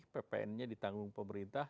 ppn nya di tanggung pemerintah